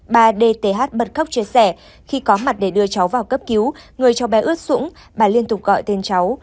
bà dth bật khóc chia sẻ khi có mặt để đưa cháu vào cấp cứu người cháu bé ướt sũng bà liên tục gọi tên cháu